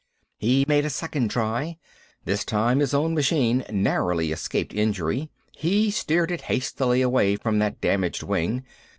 He made a second try. This time his own machine narrowly escaped injury; he steered it hastily away from that damaged wing.